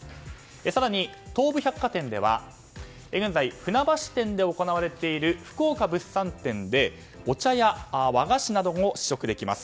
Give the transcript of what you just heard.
更に、東武百貨店では現在、船橋店で行われている福岡物産展でお茶や和菓子なども試食できます。